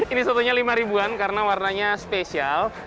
ini satunya lima ribu an karena warnanya spesial